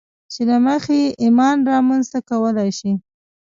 چې له مخې يې ايمان رامنځته کولای شئ.